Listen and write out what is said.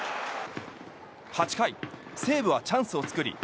８回、西武はチャンスを作り